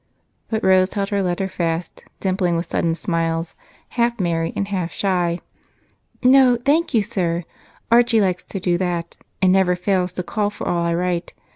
But Rose held her letter fast, dimpling with sudden smiles, half merry and half shy. "No thank you, sir. Archie likes to do that, and never fails to call for all I write.